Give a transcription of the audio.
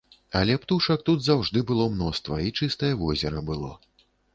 Але птушак тут заўжды было мноства і чыстае возера было.